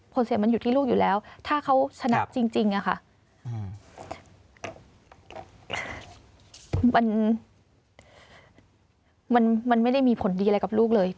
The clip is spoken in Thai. เสียมันอยู่ที่ลูกอยู่แล้วถ้าเขาชนะจริงอะค่ะมันไม่ได้มีผลดีอะไรกับลูกเลย